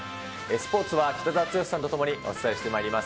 スポーツは北澤豪さんと共にお伝えしてまいります。